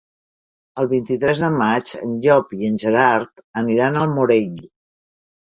El vint-i-tres de maig en Llop i en Gerard aniran al Morell.